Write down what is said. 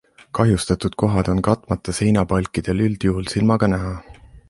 Kahjustatud kohad on katmata seinapalkidel üldjuhul silmaga näha.